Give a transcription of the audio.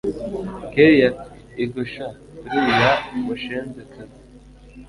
kellia ati igo shn uriya mushenzikazi